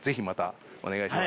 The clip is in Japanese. はいお願いします。